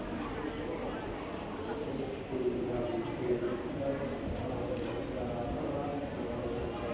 สวัสดีครับสวัสดีครับ